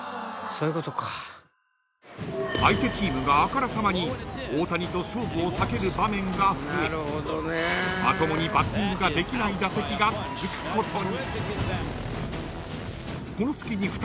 ［相手チームがあからさまに大谷と勝負を避ける場面が増えまともにバッティングができない打席が続くことに］